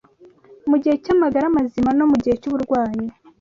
Mu gihe cy’amagara mazima no mu gihe cy’uburwayi